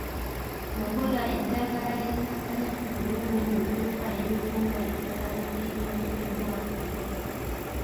Nagula eddagala erikkakkanya ku bulumi mu dduuka eritunda eddagala ebweru w'eddwaliro.